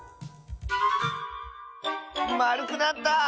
まるくなった！